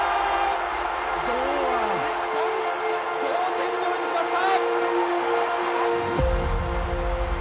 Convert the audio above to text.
日本、同点に追いつきました！